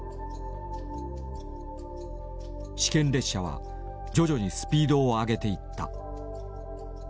試験列車は徐々にスピードを上げていった。